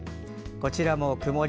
こちらも曇り。